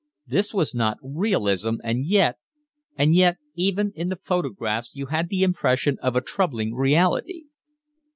This was not realism, and yet, and yet even in the photographs you had the impression of a troubling reality.